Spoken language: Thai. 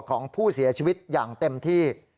ของผู้เสียชีวิตอย่างเต็มที่